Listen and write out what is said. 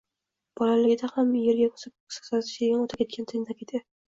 Bolaligida ham erga ursa ko`kka sapchiydigan, o`taketgan tentak edi